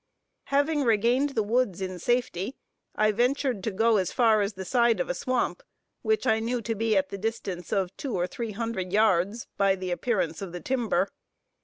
Having regained the woods in safety, I ventured to go as far as the side of a swamp, which I knew to be at the distance of two or three hundred yards, by the appearance of the timber.